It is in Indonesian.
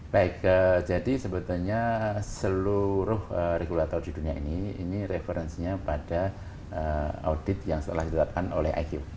baik jadi sebetulnya seluruh regulator di dunia ini ini referensinya pada audit yang telah ditetapkan oleh iq